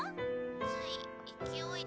「つい勢いで」。